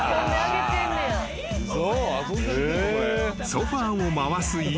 ［ソファを回す犬。